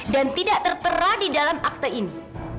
dan tidak tertera di dalam akte ini